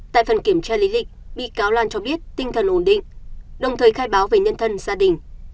tại phần kiểm tra lý lịch bị cáo lan cho biết tinh thần ổn định đồng thời khai báo về nhân thân gia đình